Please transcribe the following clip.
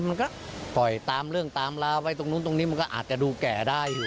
มันก็ปล่อยตามเรื่องตามราวไปตรงนู้นตรงนี้มันก็อาจจะดูแก่ได้อยู่